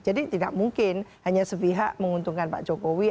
jadi tidak mungkin hanya sepihak menguntungkan pak jokowi